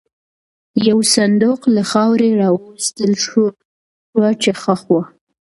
یو صندوق له خاورې را وایستل شو، چې ښخ و.